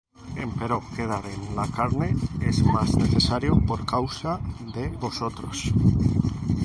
Empero quedar en la carne es más necesario por causa de vosotros.